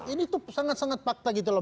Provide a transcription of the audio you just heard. ini tuh sangat sangat fakta gitu loh